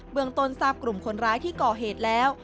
เมืองต้นทราบกลุ่มคนร้ายที่ก่อเหตุแล้ว